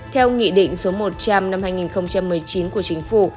theo nghị định số một trăm linh năm hai nghìn một mươi chín của chính phủ